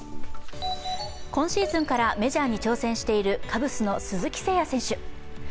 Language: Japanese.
今シーズンからメジャーに挑戦しているカブスの鈴木誠也選手。